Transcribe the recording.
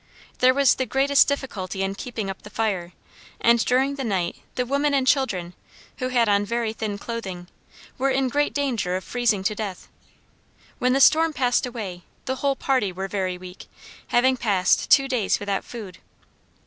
There was the greatest difficulty in keeping up the fire, and during the night the women and children, who had on very thin clothing, were in great danger of freezing to death; when the storm passed away, the whole party were very weak, having passed two days without food.